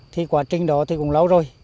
thì quá trình đó thì cũng lâu rồi